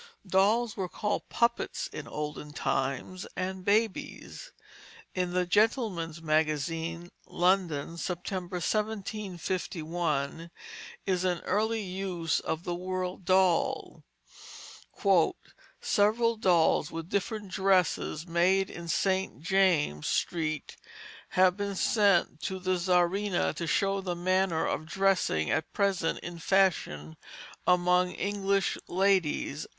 Dolls were called puppets in olden times, and babies. In the Gentleman's Magazine, London, September, 1751, is an early use of the word doll, "Several dolls with different dresses made in St. James Street have been sent to the Czarina to show the manner of dressing at present in fashion among English ladies."